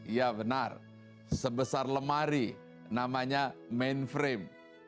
iya benar sebesar lemari namanya mainframe